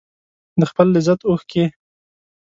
د خپل لذت اوښکې